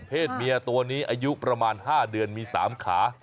เมียตัวนี้อายุประมาณ๕เดือนมี๓ขา